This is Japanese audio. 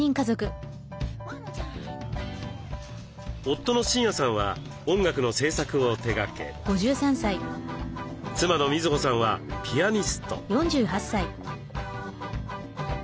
夫の真也さんは音楽の制作を手がけ妻の瑞穂さんはピアニスト。